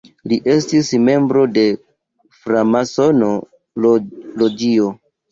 Li estis membro de framasono loĝio.